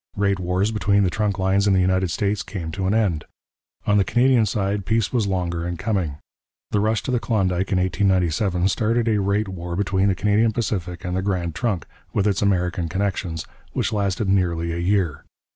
Rate wars between the trunk lines in the United States came to an end. On the Canadian side peace was longer in coming. The rush to the Klondike in 1897 started a rate war between the Canadian Pacific and the Grand Trunk, with its American connections, which lasted nearly a year.